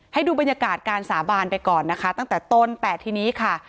ให้ดูบรรยากาศการสาบานไปก่อนนะคะตั้งแต่ต้นแต่ทีนี้ค่ะ